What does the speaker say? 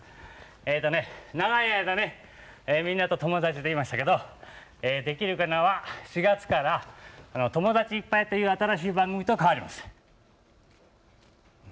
えーとね、長い間ねみんなと友達でいましたけどできるかなは４月からともだちいっぱいという新しい番組と変わります。